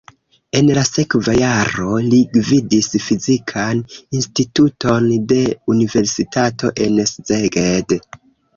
En la sekva jaro li gvidis fizikan instituton de universitato en Szeged.